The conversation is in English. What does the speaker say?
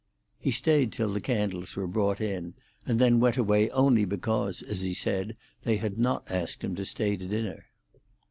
He stayed till the candles were brought in, and then went away only because, as he said, they had not asked him to stay to dinner.